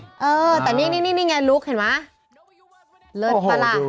เออแต่นี่นี่นี่นี่ไงลุคเห็นไหมเลิศปะละโหดู